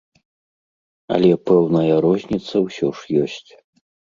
Але пэўная розніца ўсё ж ёсць.